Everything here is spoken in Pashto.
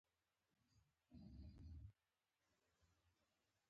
واوره د افغانستان د جغرافیایي موقیعت یوه پایله ده.